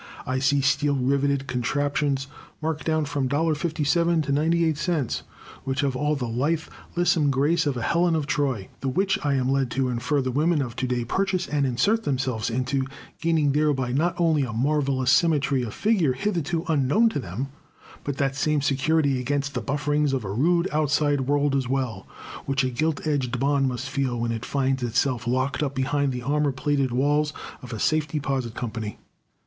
I see steel riveted contraptions, marked down from a dollar fifty seven to ninety eight cents, which have all the lithe, lissom grace of a Helen of Troy, the which I am led to infer the women of to day purchase and insert themselves into, gaining thereby not only a marvelous symmetry of figure hitherto unknown to them, but that same security against the bufferings of a rude outside world as well, which a gilt edged bond must feel when it finds itself locked up behind the armor plated walls of a Safe Deposit Company.